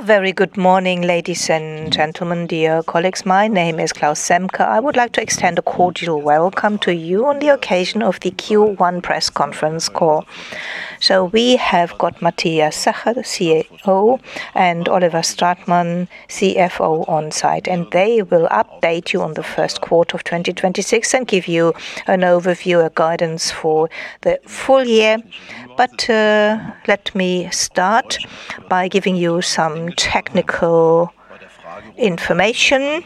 A very good morning, ladies and gentlemen, dear colleagues. My name is Claus Zemke. I would like to extend a cordial welcome to you on the occasion of the Q1 press conference call. We have got Matthias Zachert, CEO, and Oliver Stratmann, CFO, on site, and they will update you on the first quarter of 2026 and give you an overview of guidance for the full year. Let me start by giving you some technical information.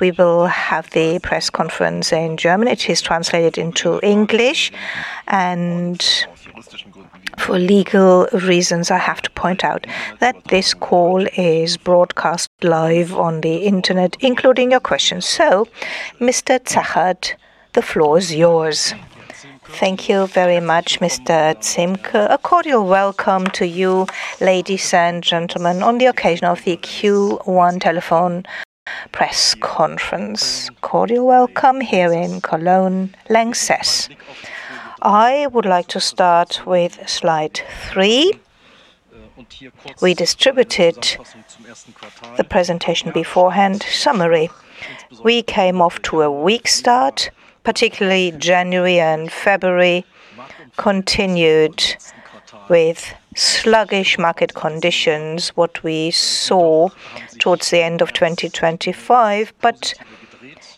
We will have the press conference in German. It is translated into English. And for legal reasons, I have to point out that this call is broadcast live on the Internet, including your questions. Mr. Zachert, the floor is yours. Thank you very much, Mr. Zemke. A cordial welcome to you, ladies and gentlemen, on the occasion of the Q1 telephone press conference. Cordial welcome here in Cologne, LANXESS. I would like to start with slide three. We distributed the presentation beforehand. Summary. We came off to a weak start, particularly January and February continued with sluggish market conditions, what we saw towards the end of 2025.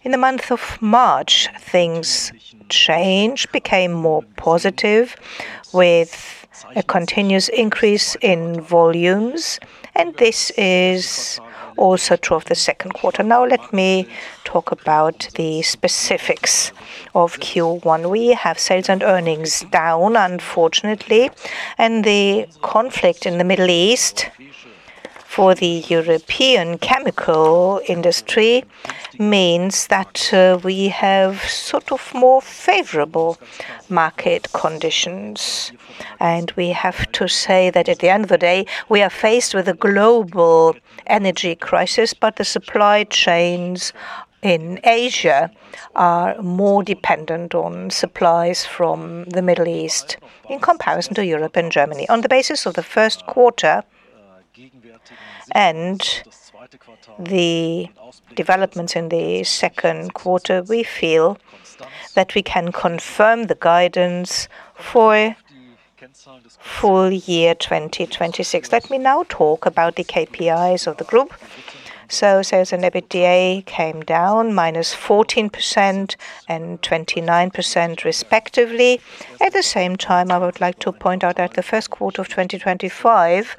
In the month of March, things changed, became more positive with a continuous increase in volumes, and this is also true of the second quarter. Now let me talk about the specifics of Q1. We have sales and earnings down, unfortunately. The conflict in the Middle East for the European chemical industry means that we have sort of more favorable market conditions. We have to say that at the end of the day, we are faced with a global energy crisis, but the supply chains in Asia are more dependent on supplies from the Middle East in comparison to Europe and Germany. On the basis of the first quarter, and the developments in the second quarter, we feel that we can confirm the guidance for full year 2026. Let me now talk about the KPIs of the group. Sales and EBITDA came down -14% and 29% respectively. At the same time, I would like to point out that the first quarter of 2025,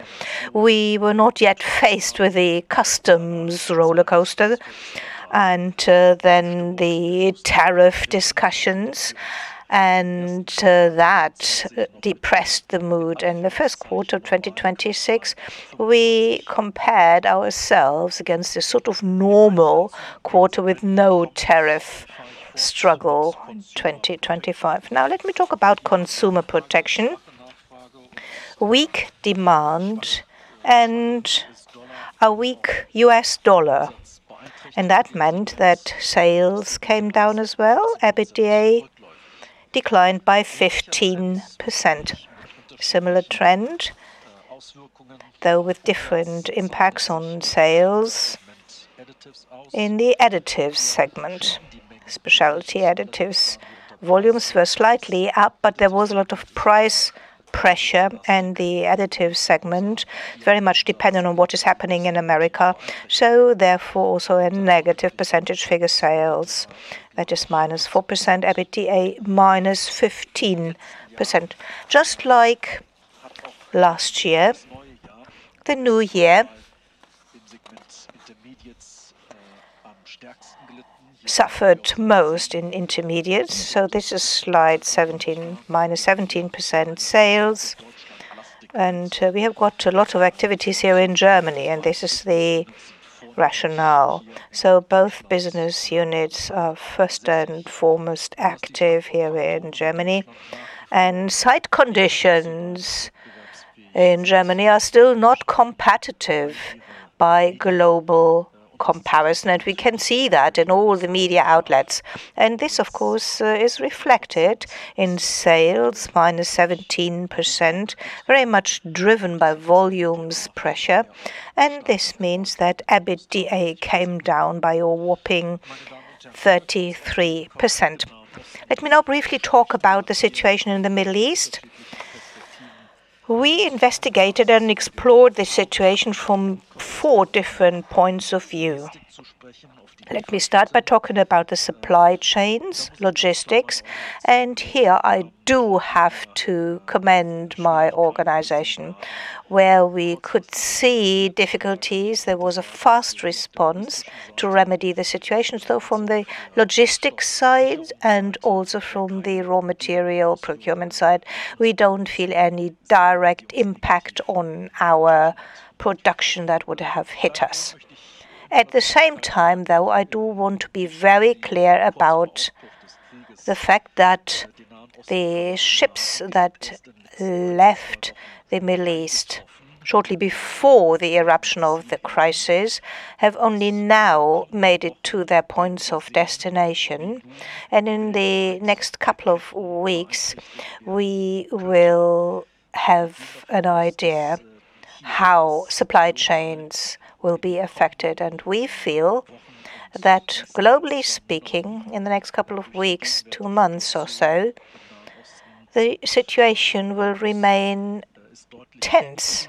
we were not yet faced with the customs rollercoaster and then the tariff discussions and that depressed the mood. In the first quarter of 2026, we compared ourselves against a sort of normal quarter with no tariff struggle in 2025. Let me talk about Consumer Protection. Weak demand and a weak US dollar, that meant that sales came down as well. EBITDA declined by 15%. Similar trend, though with different impacts on sales in the Specialty Additives segment. Specialty Additives volumes were slightly up, there was a lot of price pressure in the Specialty Additives segment, very much dependent on what is happening in America. Therefore, also a negative percentage figure sales at just minus 4%, EBITDA -15%. Just like last year, the new year suffered most in intermediates. This is slide 17, -17% sales. We have got a lot of activities here in Germany, this is the rationale. Both business units are first and foremost active here in Germany. Site conditions in Germany are still not competitive by global comparison, and we can see that in all the media outlets. This, of course, is reflected in sales, -17%, very much driven by volumes pressure. This means that EBITDA came down by a whopping 33%. Let me now briefly talk about the situation in the Middle East. We investigated and explored the situation from four different points of view. Let me start by talking about the supply chains, logistics, and here I do have to commend my organization. Where we could see difficulties, there was a fast response to remedy the situation. From the logistics side and also from the raw material procurement side, we don't feel any direct impact on our production that would have hit us. At the same time, though, I do want to be very clear about the fact that the ships that left the Middle East shortly before the eruption of the crisis have only now made it to their points of destination. In the next couple of weeks, we will have an idea how supply chains will be affected. We feel that globally speaking, in the next couple of weeks to months or so, the situation will remain tense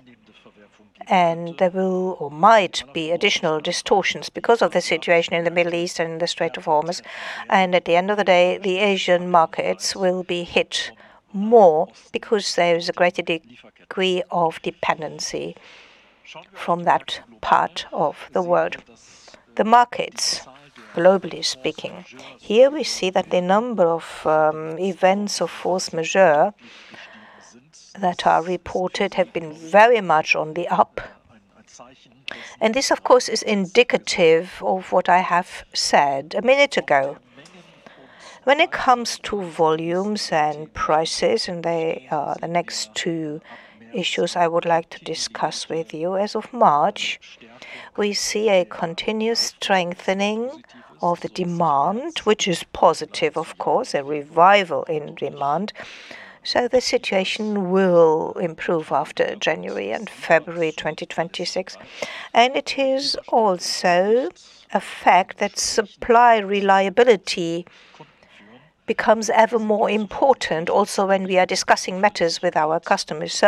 and there will or might be additional distortions because of the situation in the Middle East and the Strait of Hormuz. At the end of the day, the Asian markets will be hit more because there is a greater degree of dependency from that part of the world. The markets, globally speaking, here we see that the number of events of force majeure that are reported have been very much on the up. This of course is indicative of what I have said a minute ago. When it comes to volumes and prices and they are the next two issues I would like to discuss with you. As of March, we see a continuous strengthening of the demand, which is positive of course, a revival in demand, so the situation will improve after January and February 2026. It is also a fact that supply reliability becomes ever more important also when we are discussing matters with our customers.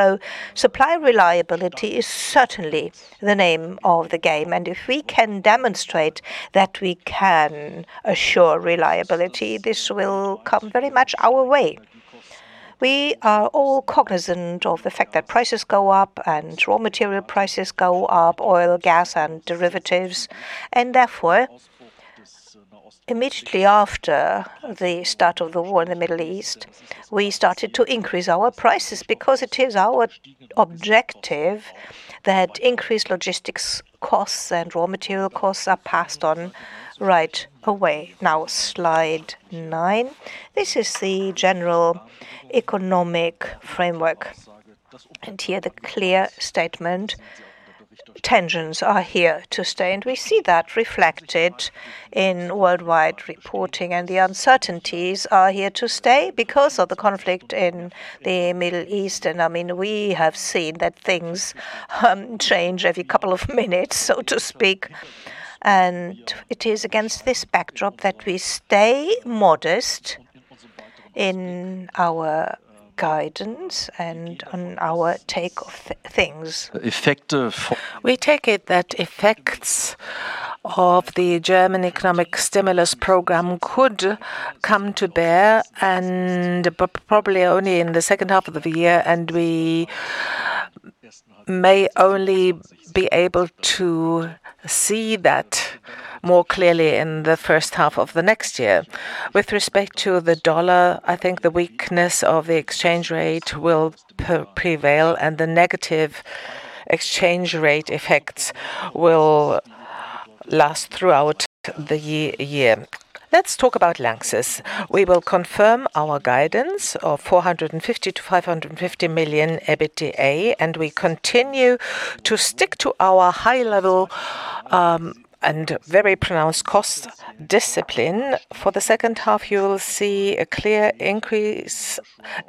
Supply reliability is certainly the name of the game, and if we can demonstrate that we can assure reliability, this will come very much our way. We are all cognizant of the fact that prices go up and raw material prices go up, oil, gas and derivatives. Therefore, immediately after the start of the war in the Middle East, we started to increase our prices because it is our objective that increased logistics costs and raw material costs are passed on right away. Slide nine. This is the general economic framework, here the clear statement, tensions are here to stay. We see that reflected in worldwide reporting and the uncertainties are here to stay because of the conflict in the Middle East. I mean, we have seen that things change every couple of minutes, so to speak. It is against this backdrop that we stay modest in our guidance and on our take of things. We take it that effects of the German economic stimulus program could come to bear and probably only in the second half of the year, and we may only be able to see that more clearly in the first half of the next year. With respect to the dollar, I think the weakness of the exchange rate will prevail and the negative exchange rate effects will last throughout the year. Let's talk about LANXESS. We will confirm our guidance of 450 million-550 million EBITDA, and we continue to stick to our high level and very pronounced cost discipline. For the second half, you'll see a clear increase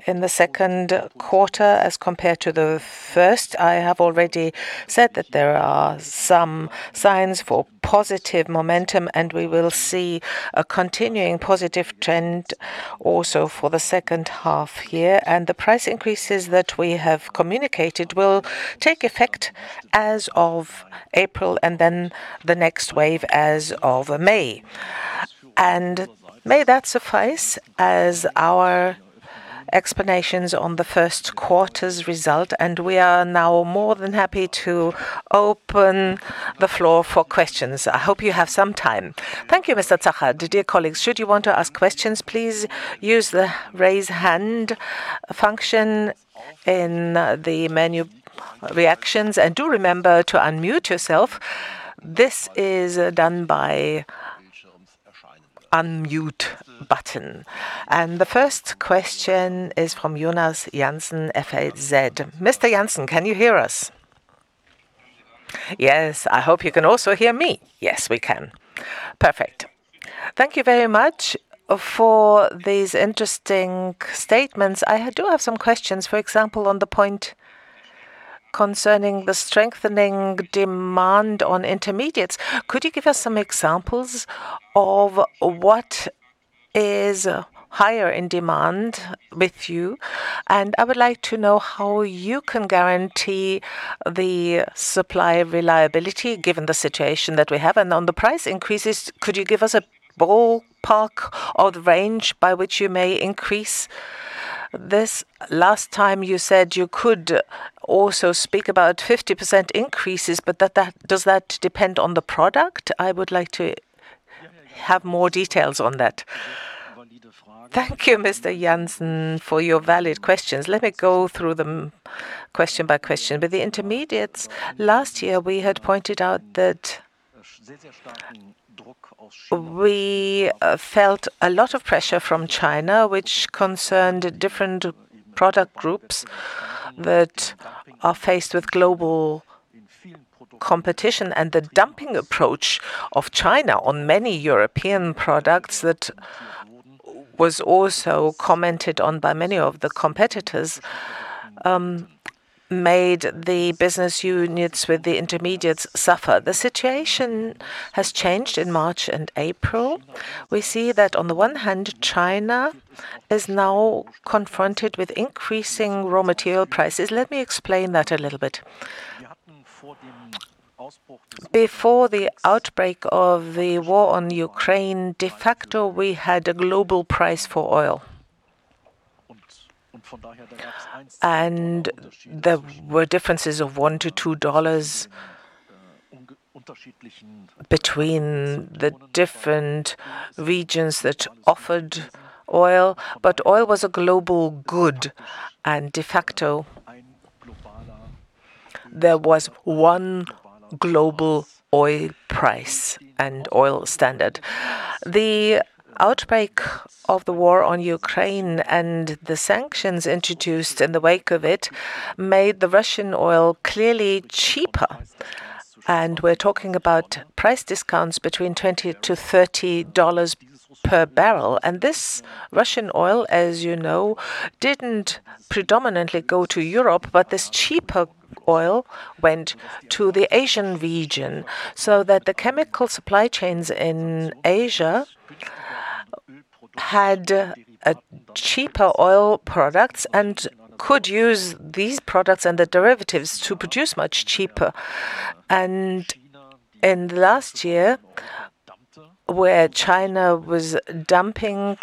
in the second quarter as compared to the first. I have already said that there are some signs for positive momentum, we will see a continuing positive trend also for the second half-year. The price increases that we have communicated will take effect as of April and then the next wave as of May. May that suffice as our explanations on the first quarter's result, and we are now more than happy to open the floor for questions. I hope you have some time. Thank you, Mr. Zachert. Dear colleagues, should you want to ask questions, please use the Raise Hand function in the menu reactions, do remember to unmute yourself. This is done by unmute button. The first question is from Jonas Jansen, FAZ. Mr. Jansen, can you hear us? Yes. I hope you can also hear me. Yes, we can. Perfect. Thank you very much for these interesting statements. I do have some questions, for example, on the point concerning the strengthening demand on intermediates. Could you give us some examples of what is higher in demand with you? I would like to know how you can guarantee the supply reliability given the situation that we have. On the price increases, could you give us a ballpark or the range by which you may increase this? Last time you said you could also speak about 50% increases, but Does that depend on the product? I would like to have more details on that. Thank you, Mr. Jonas Jansen, for your valid questions. Let me go through them question by question. With the intermediates, last year we had pointed out that we felt a lot of pressure from China, which concerned different product groups that are faced with global competition and the dumping approach of China on many European products that. Was also commented on by many of the competitors, made the business units with the intermediates suffer. The situation has changed in March and April. We see that on the one hand, China is now confronted with increasing raw material prices. Let me explain that a little bit. Before the outbreak of the war on Ukraine, de facto, we had a global price for oil. There were differences of $1-$2 between the different regions that offered oil, but oil was a global good, and de facto, there was one global oil price and oil standard. The outbreak of the war on Ukraine and the sanctions introduced in the wake of it made the Russian oil clearly cheaper. We're talking about price discounts between $20-$30 per barrel. This Russian oil, as you know, didn't predominantly go to Europe, but this cheaper oil went to the Asian region, so that the chemical supply chains in Asia had cheaper oil products and could use these products and the derivatives to produce much cheaper. In the last year, where China was dumping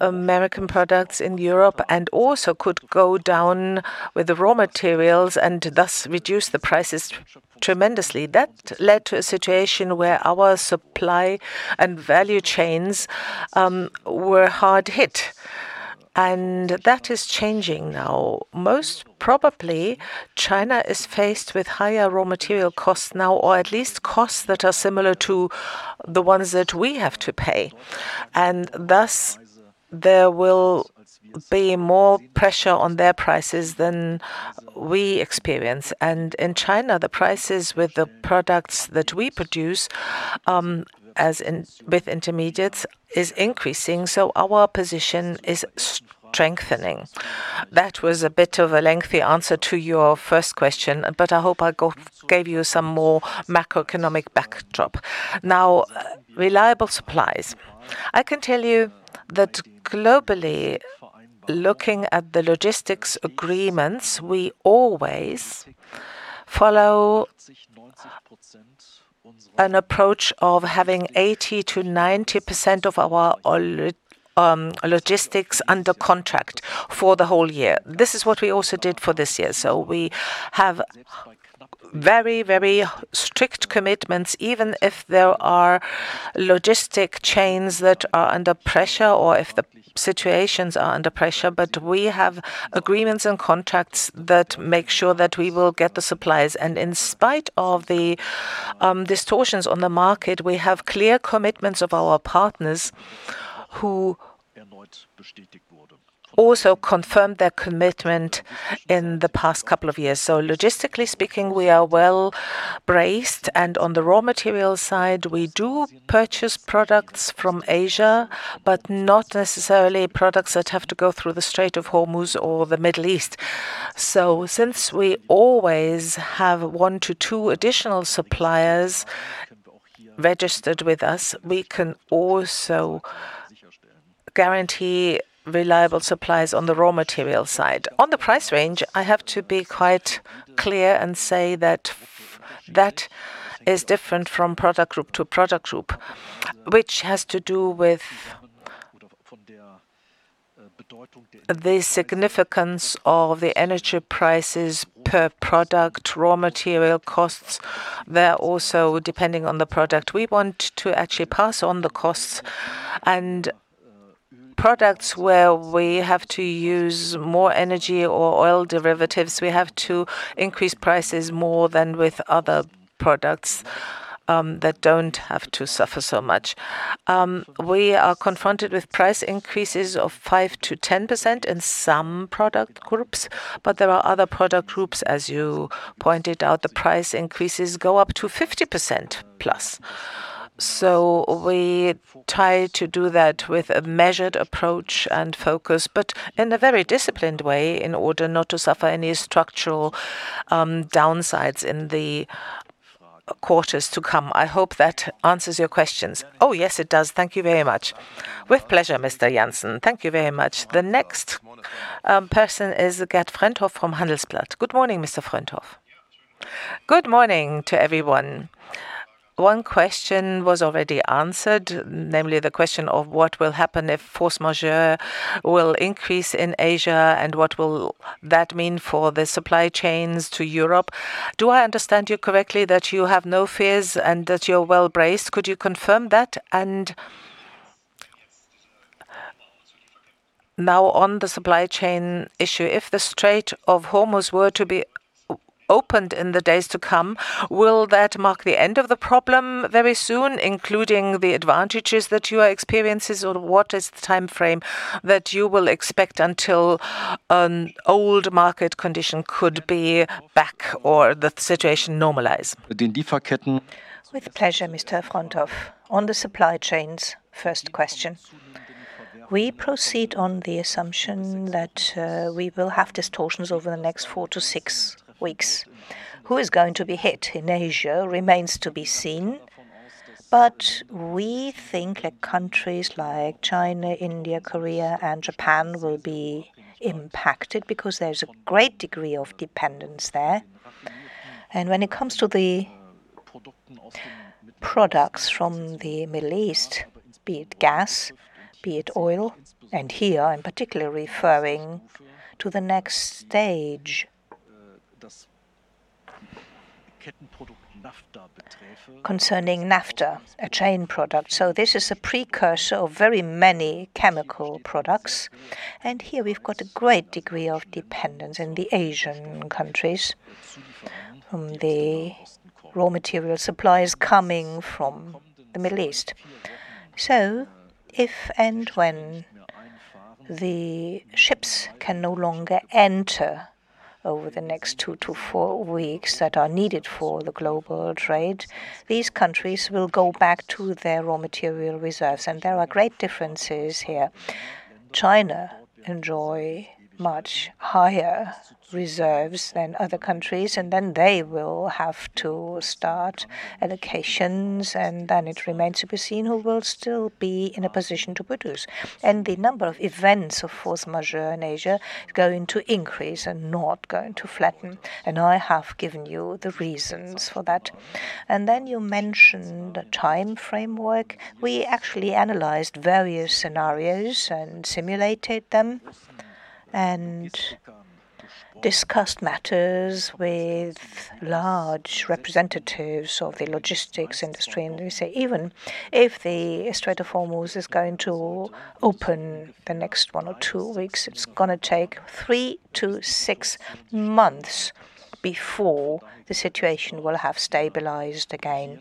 American products in Europe and also could go down with the raw materials and thus reduce the prices tremendously. That led to a situation where our supply and value chains were hard hit, and that is changing now. Most probably, China is faced with higher raw material costs now, or at least costs that are similar to the ones that we have to pay. Thus there will be more pressure on their prices than we experience. In China, the prices with the products that we produce, as in with intermediates, is increasing, so our position is strengthening. That was a bit of a lengthy answer to your first question, but I hope I gave you some more macroeconomic backdrop. Now, reliable supplies. I can tell you that globally, looking at the logistics agreements, we always follow an approach of having 80%-90% of our all logistics under contract for the whole year. This is what we also did for this year. We have very strict commitments, even if there are logistic chains that are under pressure or if the situations are under pressure. We have agreements and contracts that make sure that we will get the supplies. In spite of the distortions on the market, we have clear commitments of our partners who also confirmed their commitment in the past couple of years. Logistically speaking, we are well braced. On the raw material side, we do purchase products from Asia, but not necessarily products that have to go through the Strait of Hormuz or the Middle East. Since we always have 1-2 additional suppliers registered with us, we can also guarantee reliable supplies on the raw material side. On the price range, I have to be quite clear and say that that is different from product group to product group, which has to do with the significance of the energy prices per product, raw material costs. They're also depending on the product. We want to actually pass on the costs and products where we have to use more energy or oil derivatives. We have to increase prices more than with other products that don't have to suffer so much. We are confronted with price increases of 5%-10% in some product groups, but there are other product groups, as you pointed out, the price increases go up to 50%+. We try to do that with a measured approach and focus, but in a very disciplined way in order not to suffer any structural downsides in the quarters to come. I hope that answers your questions. Oh, yes, it does. Thank you very much. With pleasure, Mr. Jansen. Thank you very much. The next person is Bert Fröndhoff from Handelsblatt. Good morning, Mr. Fröndhoff. Good morning to everyone. One question was already answered, namely the question of what will happen if force majeure will increase in Asia, and what will that mean for the supply chains to Europe? Do I understand you correctly that you have no fears and that you're well braced? Could you confirm that? Now on the supply chain issue, if the Strait of Hormuz were to be opened in the days to come, will that mark the end of the problem very soon, including the advantages that you are experiencing? What is the timeframe that you will expect until old market condition could be back or the situation normalize? With pleasure, Mr. Fröndhoff. On the supply chains, first question. We proceed on the assumption that we will have distortions over the next 4-6 weeks. Who is going to be hit in Asia remains to be seen. We think that countries like China, India, Korea, and Japan will be impacted because there's a great degree of dependence there. When it comes to the products from the Middle East, be it gas, be it oil, and here I'm particularly referring to the next stage concerning naphtha, a chain product. This is a precursor of very many chemical products. Here we've got a great degree of dependence in the Asian countries from the raw material supplies coming from the Middle East. If and when the ships can no longer enter over the next 2-4 weeks that are needed for the global trade, these countries will go back to their raw material reserves, and there are great differences here. China enjoy much higher reserves than other countries, and then they will have to start allocations, and then it remains to be seen who will still be in a position to produce. The number of events of force majeure in Asia are going to increase and not going to flatten, and I have given you the reasons for that. You mentioned the time framework. We actually analyzed various scenarios and simulated them and discussed matters with large representatives of the logistics industry. They say even if the Strait of Hormuz is going to open the next 1-2 weeks, it's going to take 3-6 months before the situation will have stabilized again.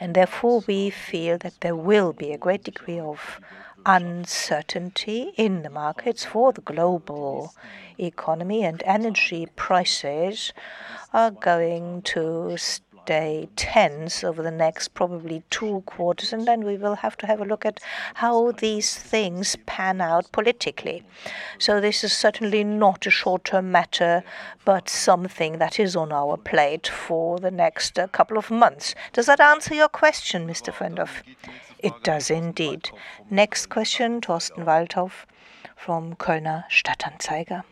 Therefore, we feel that there will be a great degree of uncertainty in the markets for the global economy, and energy prices are going to stay tense over the next probably two quarters. Then we will have to have a look at how these things pan out politically. This is certainly not a short-term matter, but something that is on our plate for the next couple of months. Does that answer your question, Mr. Fröndhoff? It does indeed. Next question, Torsten Waldhof from Kölner Stadt-Anzeiger.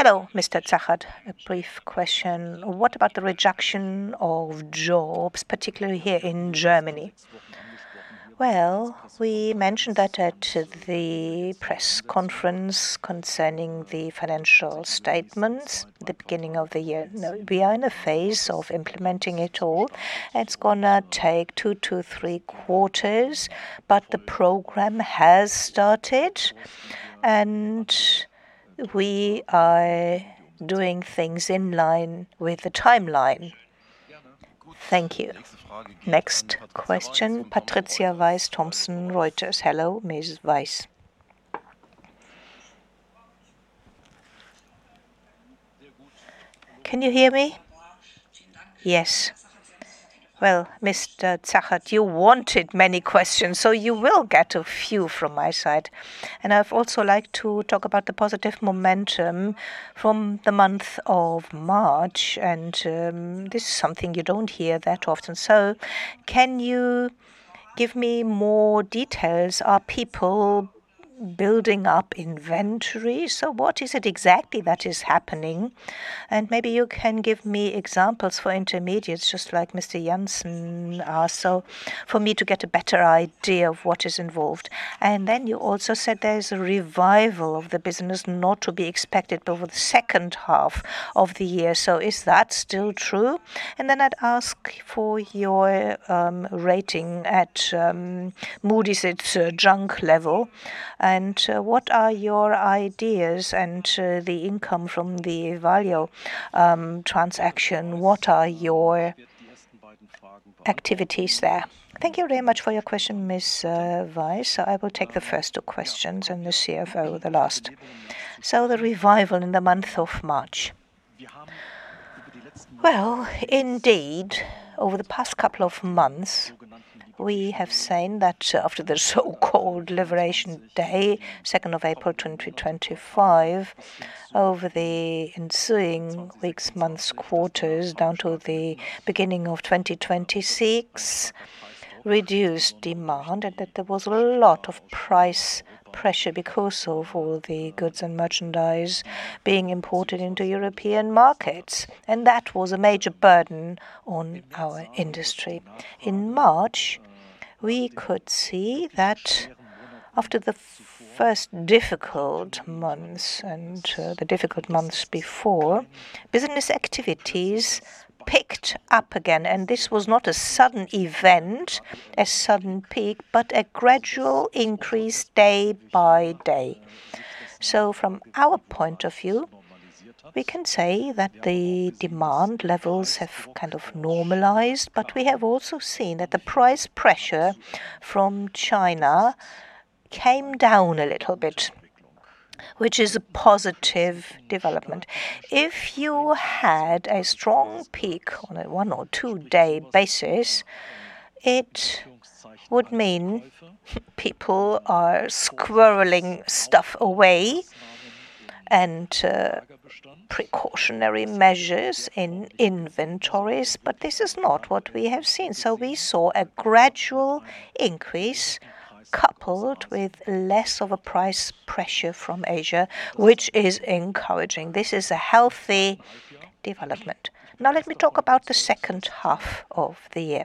Hello, Mr. Zachert. A brief question. What about the reduction of jobs, particularly here in Germany? Well, we mentioned that at the press conference concerning the financial statements at the beginning of the year. We are in a phase of implementing it all. It's gonna take 2-3 quarters, but the program has started, and we are doing things in line with the timeline. Thank you. Next question, Patricia Weiss, Thomson Reuters. Hello, Ms. Weiss. Can you hear me? Yes. Well, Mr. Zachert, you wanted many questions, so you will get a few from my side. I'd also like to talk about the positive momentum from the month of March, this is something you don't hear that often. Can you give me more details? Are people building up inventory? What is it exactly that is happening? Maybe you can give me examples for intermediates, just like Mr. Jansen asked, for me to get a better idea of what is involved. Then you also said there is a revival of the business not to be expected over the second half of the year. Is that still true? Then I'd ask for your rating at Moody's at junk level. What are your ideas and the income from the value transaction? What are your activities there? Thank you very much for your question, Ms. Weiss. I will take the first two questions and the CFO the last. The revival in the month of March. Well, indeed, over the past couple of months, we have seen that after the so-called Liberation Day, April 2, 2025, over the ensuing weeks, months, quarters, down to the beginning of 2026, reduced demand and that there was a lot of price pressure because of all the goods and merchandise being imported into European markets. That was a major burden on our industry. In March, we could see that after the first difficult months and the difficult months before, business activities picked up again. This was not a sudden event, a sudden peak, but a gradual increase day by day. From our point of view, we can say that the demand levels have kind of normalized, but we have also seen that the price pressure from China came down a little bit. Which is a positive development. If you had a strong peak on a one or two-day basis, it would mean people are squirreling stuff away and precautionary measures in inventories, but this is not what we have seen. We saw a gradual increase coupled with less of a price pressure from Asia, which is encouraging. This is a healthy development. Now let me talk about the second half of the year.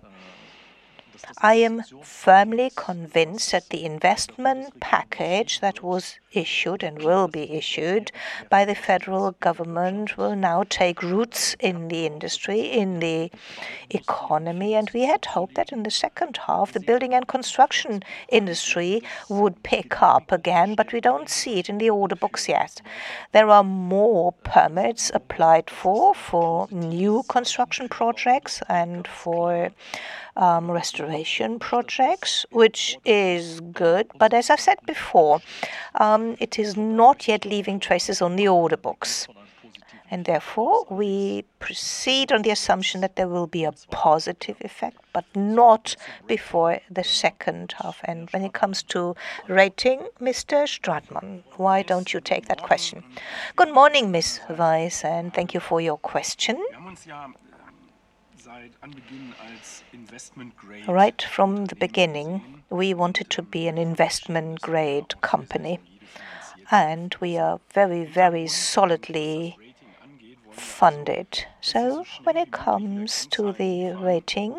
I am firmly convinced that the investment package that was issued and will be issued by the federal government will now take roots in the industry, in the economy. We had hoped that in the second half, the building and construction industry would pick up again, but we don't see it in the order books yet. There are more permits applied for new construction projects and for restoration projects, which is good. As I said before, it is not yet leaving traces on the order books. Therefore, we proceed on the assumption that there will be a positive effect, but not before the second half. When it comes to rating, Mr. Stratmann, why don't you take that question? Good morning, Ms. Weiss, and thank you for your question. Right from the beginning, we wanted to be an investment grade company, and we are very, very solidly funded. When it comes to the rating,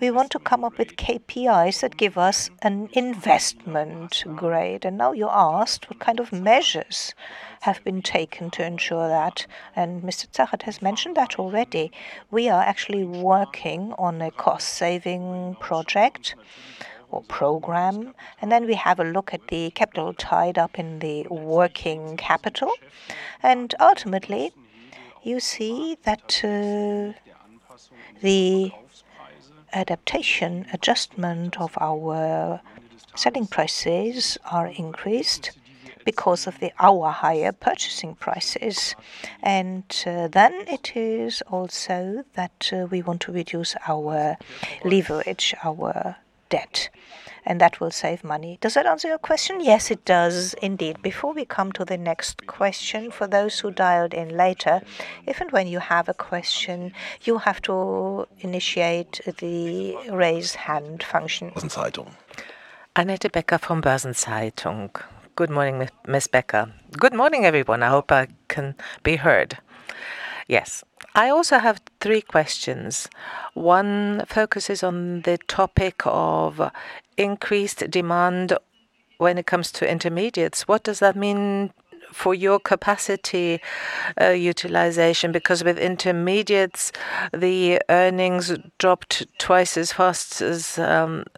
we want to come up with KPIs that give us an investment grade. Now you asked what kind of measures have been taken to ensure that, and Mr. Zachert has mentioned that already. We are actually working on a cost-saving project or program, and then we have a look at the capital tied up in the working capital. Ultimately, you see that, the adaptation, adjustment of our selling prices are increased because of the our higher purchasing prices. Then it is also that, we want to reduce our leverage, our debt, and that will save money. Does that answer your question? Yes, it does indeed. Before we come to the next question, for those who dialed in later, if and when you have a question, you have to initiate the Raise Hand function. Annette Becker from Börsen-Zeitung. Good morning, Ms. Becker. Good morning, everyone. I hope I can be heard. Yes. I also have three questions. One focuses on the topic of increased demand when it comes to intermediates. What does that mean for your capacity utilization? With intermediates, the earnings dropped twice as fast as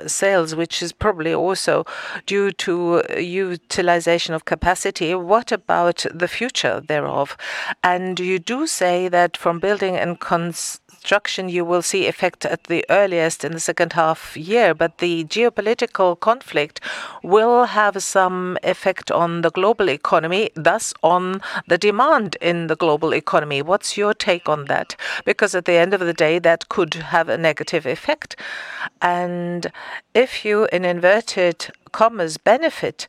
sales, which is probably also due to utilization of capacity. What about the future thereof? You do say that from building and construction, you will see effect at the earliest in the second half year, the geopolitical conflict will have some effect on the global economy, thus on the demand in the global economy. What's your take on that? At the end of the day, that could have a negative effect. If you, in inverted commas, benefit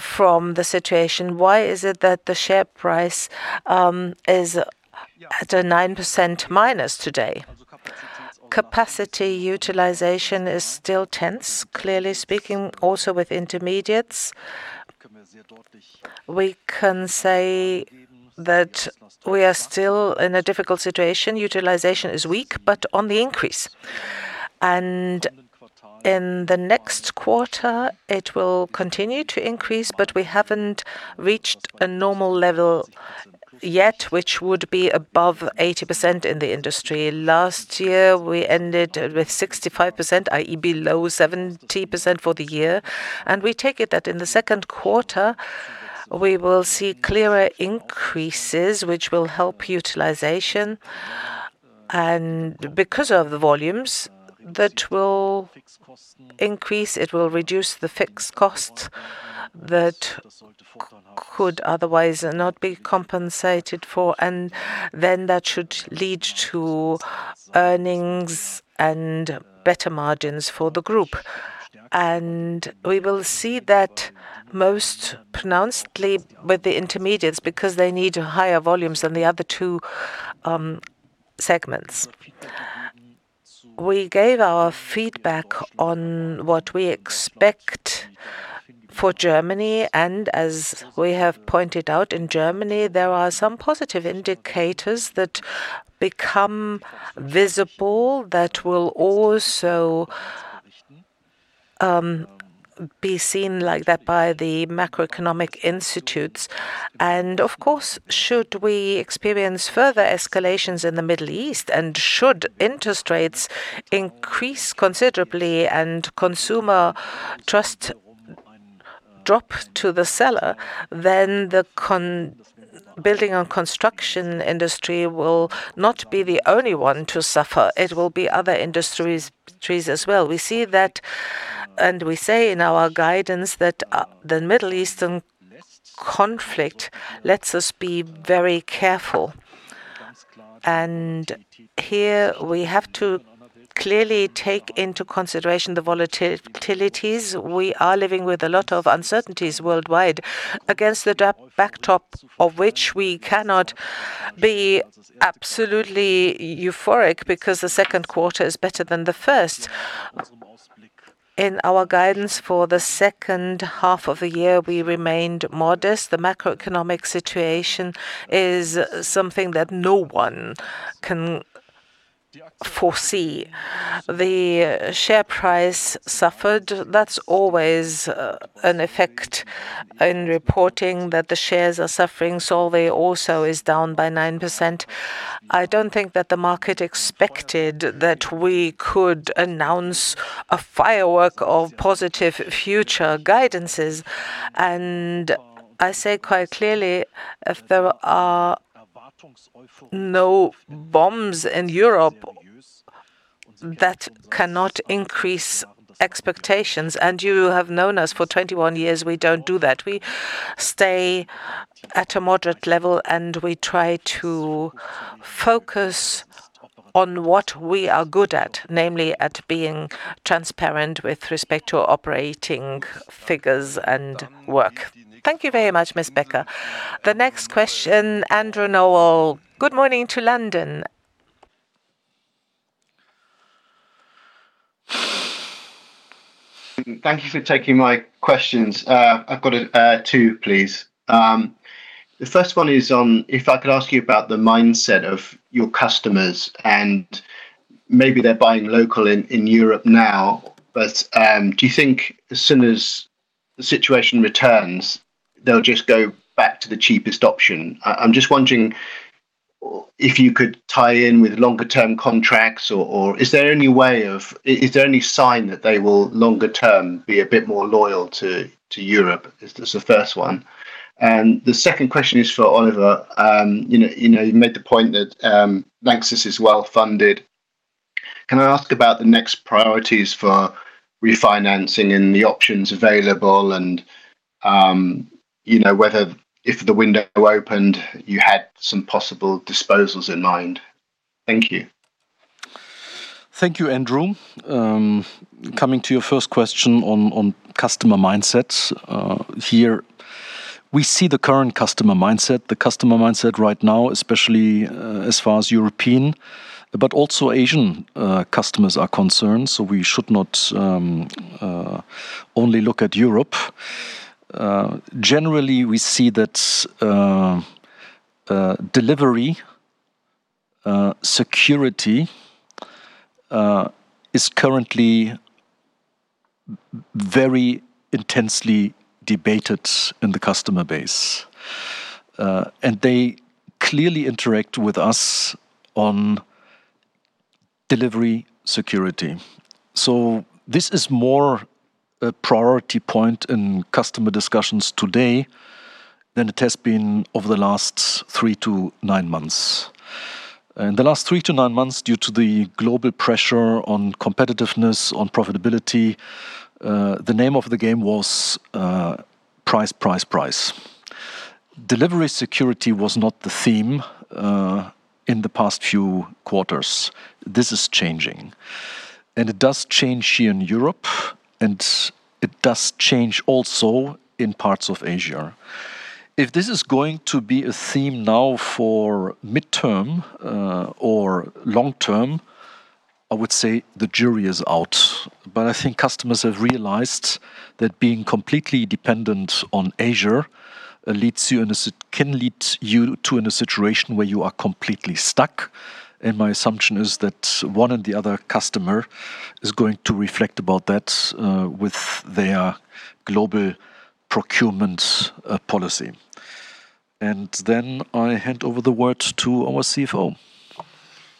from the situation, why is it that the share price is at a 9% minus today? Capacity utilization is still tense, clearly speaking, also with intermediates. We can say that we are still in a difficult situation. Utilization is weak, but on the increase. In the next quarter it will continue to increase, but we haven't reached a normal level yet, which would be above 80% in the industry. Last year, we ended with 65%, i.e., below 70% for the year. We take it that in the second quarter we will see clearer increases, which will help utilization. Because of the volumes that will increase, it will reduce the fixed costs that could otherwise not be compensated for, that should lead to earnings and better margins for the group. We will see that most pronouncedly with the intermediates because they need higher volumes than the other two segments. We gave our feedback on what we expect for Germany, as we have pointed out, in Germany, there are some positive indicators that become visible that will also be seen like that by the macroeconomic institutes. Of course, should we experience further escalations in the Middle East, and should interest rates increase considerably and consumer trust drop to the cellar, then the building and construction industry will not be the only one to suffer. It will be other industries as well. We see that We say in our guidance that the Middle Eastern conflict lets us be very careful. Here we have to clearly take into consideration the volatilities. We are living with a lot of uncertainties worldwide. Against the backdrop of which we cannot be absolutely euphoric because the second quarter is better than the first. In our guidance for the second half of the year, we remained modest. The macroeconomic situation is something that no one can foresee. The share price suffered. That's always an effect in reporting that the shares are suffering. Solvay also is down by 9%. I don't think that the market expected that we could announce a firework of positive future guidances. I say quite clearly, if there are no bombs in Europe, that cannot increase expectations. You have known us for 21 years, we don't do that. We stay at a moderate level, and we try to focus on what we are good at, namely at being transparent with respect to operating figures and work. Thank you very much, Ms. Becker. The next question, Andrew Noel. Good morning to London. Thank you for taking my questions. I've got two, please. The first one is on if I could ask you about the mindset of your customers, and maybe they're buying local in Europe now. Do you think as soon as the situation returns, they'll just go back to the cheapest option? I'm just wondering if you could tie in with longer term contracts or, is there any sign that they will longer term be a bit more loyal to Europe? Is the first one. The second question is for Oliver. You know, you made the point that Lanxess is well-funded. Can I ask about the next priorities for refinancing and the options available and whether if the window opened, you had some possible disposals in mind? Thank you. Thank you, Andrew. Coming to your first question on customer mindsets. Here we see the current customer mindset. The customer mindset right now, especially as far as European, but also Asian customers are concerned, we should not only look at Europe. Generally, we see that delivery security is currently very intensely debated in the customer base. They clearly interact with us on delivery security. This is more a priority point in customer discussions today than it has been over the last 3-9 months. In the last 3-9 months, due to the global pressure on competitiveness, on profitability, the name of the game was price, price. Delivery security was not the theme in the past few quarters. This is changing. It does change here in Europe, and it does change also in parts of Asia. If this is going to be a theme now for midterm or long term, I would say the jury is out. I think customers have realized that being completely dependent on Asia can lead you to in a situation where you are completely stuck. My assumption is that one and the other customer is going to reflect about that with their global procurement policy. Then I hand over the word to our CFO.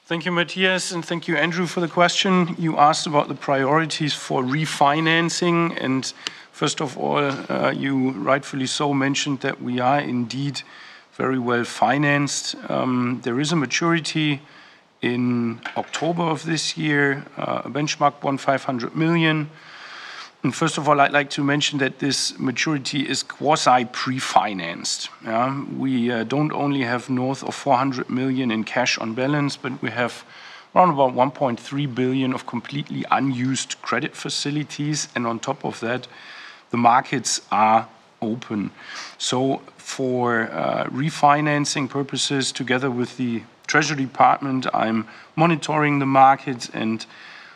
Thank you, Matthias, and thank you, Andrew, for the question. You asked about the priorities for refinancing. First of all, you rightfully so mentioned that we are indeed very well-financed. There is a maturity in October of this year, benchmarked 500 million. First of all, I'd like to mention that this maturity is quasi pre-financed. We don't only have north of 400 million in cash on balance, but we have around about 1.3 billion of completely unused credit facilities. On top of that, the markets are open. For refinancing purposes, together with the treasury department, I'm monitoring the markets, and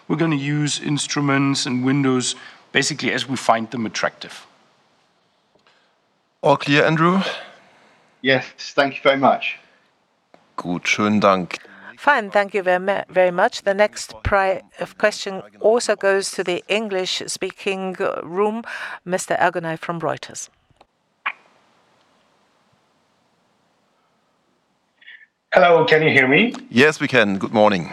we're gonna use instruments and windows basically as we find them attractive. All clear, Andrew? Yes. Thank you very much. Good. Fine. Thank you very much. The next question also goes to the English-speaking room. Mr. Eugene from Reuters. Hello, can you hear me? Yes, we can. Good morning.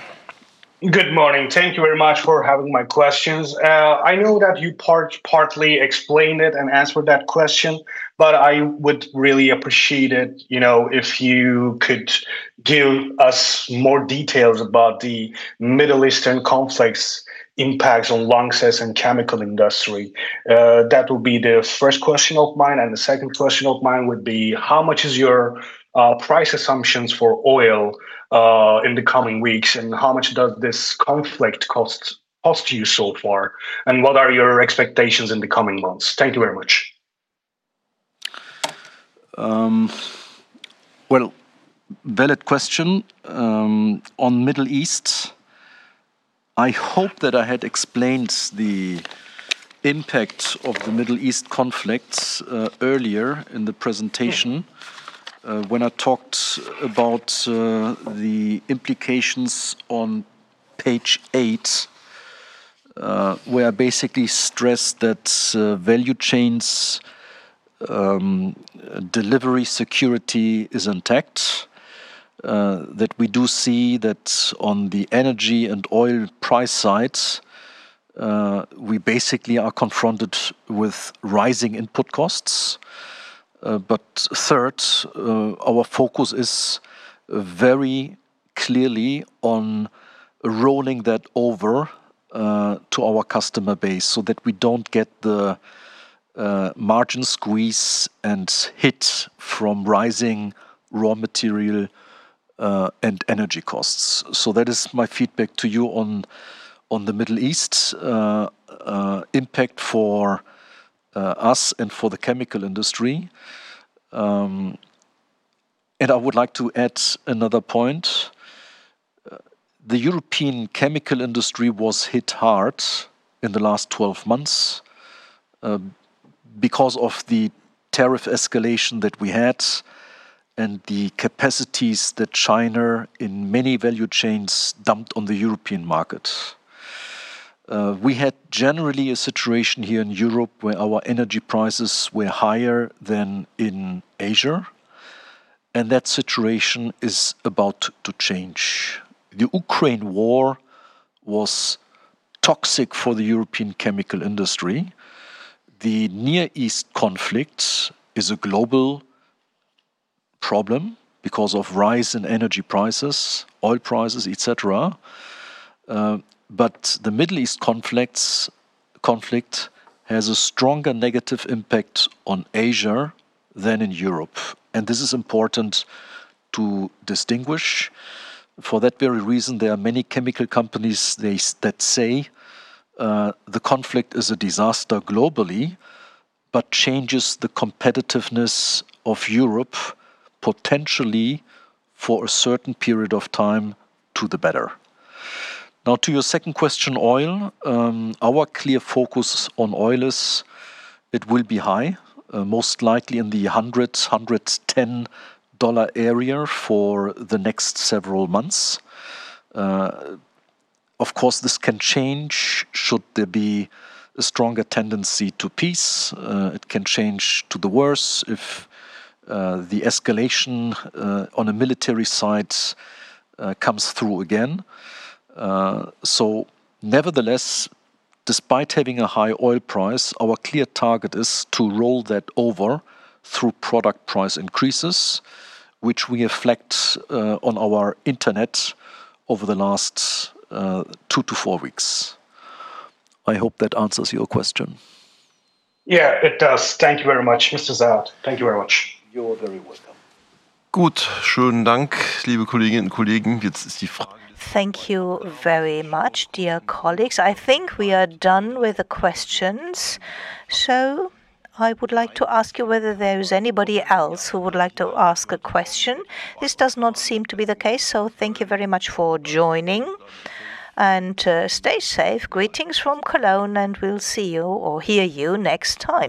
Good morning. Thank you very much for having my questions. I know that you partly explained it and answered that question, but I would really appreciate it, you know, if you could. Give us more details about the Middle Eastern conflicts impacts on Lanxess and chemical industry. That will be the first question of mine. The second question of mine would be, how much is your price assumptions for oil in the coming weeks, and how much does this conflict cost you so far? What are your expectations in the coming months? Thank you very much. Valid question on Middle East. I hope that I had explained the impact of the Middle East conflicts earlier in the presentation when I talked about the implications on page eight, where I basically stressed that value chains, delivery security is intact. We do see that on the energy and oil price side, we basically are confronted with rising input costs. Third, our focus is very clearly on rolling that over to our customer base so that we don't get the margin squeeze and hit from rising raw material and energy costs. That is my feedback to you on the Middle East impact for us and for the chemical industry. I would like to add another point. The European chemical industry was hit hard in the last 12 months because of the tariff escalation that we had and the capacities that China, in many value chains, dumped on the European market. We had generally a situation here in Europe where our energy prices were higher than in Asia. That situation is about to change. The Ukraine War was toxic for the European chemical industry. The Near East conflict is a global problem because of rise in energy prices, oil prices, et cetera. The Middle East conflict has a stronger negative impact on Asia than in Europe, and this is important to distinguish. For that very reason, there are many chemical companies that say the conflict is a disaster globally, but changes the competitiveness of Europe potentially for a certain period of time to the better. Now, to your second question, oil. Our clear focus on oil is it will be high, most likely in the hundreds, EUR 110 area for the next several months. Of course, this can change should there be a stronger tendency to peace. It can change to the worse if the escalation on a military side comes through again. Nevertheless, despite having a high oil price, our clear target is to roll that over through product price increases, which we reflect on our internet over the last two to four weeks. I hope that answers your question. Yeah, it does. Thank you very much, Mr. Zachert. Thank you very much. You're very welcome. Thank you very much, dear colleagues. I think we are done with the questions. I would like to ask you whether there is anybody else who would like to ask a question. This does not seem to be the case, so thank you very much for joining. Stay safe. Greetings from Cologne, and we'll see you or hear you next time.